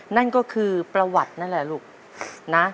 นั่นก็คือประวัตินั่นแหละลูกนะ